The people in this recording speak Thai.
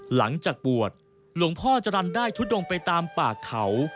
หลังจากบวชหลวงพ่อจรรย์ได้ทุดงไปตามป่าเขา